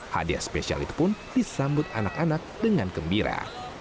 hadiah spesial itu pun disambut anak anak dengan gembira